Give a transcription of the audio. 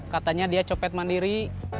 katanya dia copet mandiri